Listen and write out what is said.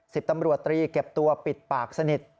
สิบตำรวจตรีเก็บตัวปิดปากสนิท